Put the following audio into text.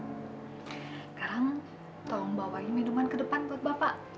sekarang tolong bawain minuman ke depan buat bapak